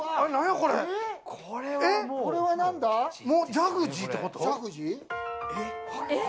ジャグジーってこと？